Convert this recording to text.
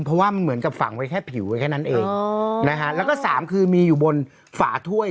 เพราะว่ามันเหมือนกับฝังไว้แค่ผิวแค่นั้นเองอ๋อนะฮะแล้วก็สามคือมีอยู่บนฝาถ้วย